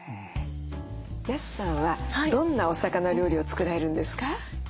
安さんはどんなお魚料理を作られるんですか？